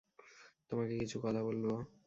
তোমাকে কিছু কথা বলব?